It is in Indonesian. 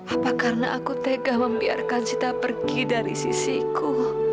apa karena aku tegak membiarkan sita pergi dari sisiku